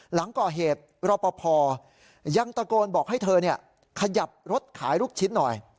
หลังก่อเหตุรอปภยังตะโกนบอกให้เธอขยับรถขายลูกชิ้นหน่อย